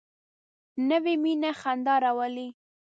نوې مینه خندا راولي